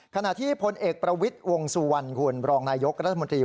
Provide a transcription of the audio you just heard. ขณะที่พลเอกประวิทย์วงสุวรรณคุณรองนายยกรัฐมนตรี